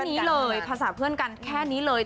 นี้เลยภาษาเพื่อนกันแค่นี้เลย